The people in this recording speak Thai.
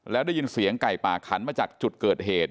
แล้วได้ยินเสียงไก่ป่าขันมาจากจุดเกิดเหตุ